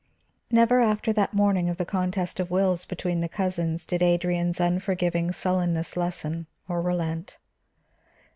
Never after that morning of the contest of wills between the cousins, did Adrian's unforgiving sullenness lessen or relent.